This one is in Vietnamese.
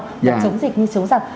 để chống dịch như chống giặc